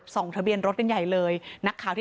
ส่องทะเบียนรถ